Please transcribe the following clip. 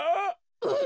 うん。